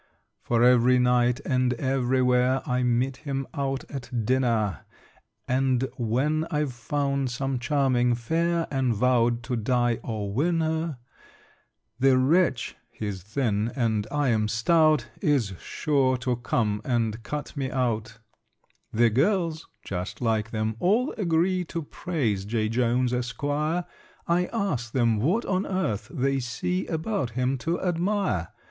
For every night, and everywhere, I meet him out at dinner; And when I've found some charming fair, And vowed to die or win her, The wretch (he's thin and I am stout) Is sure to come and cut me out! [Illustration: "HE'S THIN AND I AM STOUT"] The girls (just like them!) all agree To praise J. Jones, Esquire: I ask them what on earth they see About him to admire?